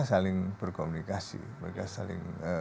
saling berkomunikasi mereka saling